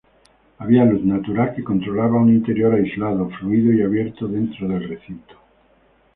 Había luz natural que controlaba un interior aislado, fluido y abierto dentro del recinto.